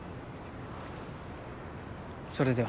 それでは。